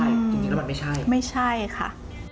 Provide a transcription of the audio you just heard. ใช่จริงแล้วมันไม่ใช่ไม่ใช่ค่ะ